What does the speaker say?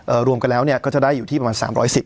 รวมกันแล้วเนี่ยก็จะได้อยู่ที่ประมาณสามร้อยสิบ